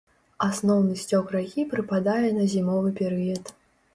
Асноўны сцёк ракі прыпадае на зімовы перыяд.